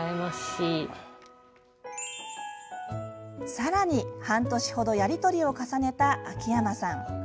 さらに、半年程やり取りを重ねた秋山さん。